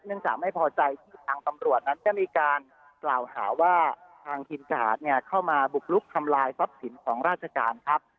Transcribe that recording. จากไม่พอใจที่ทางตำรวจนั้นก็มีการกล่าวหาว่าทางทีมทหารเข้ามาบุกลุกทำลายทรัพย์สินของราชการครับ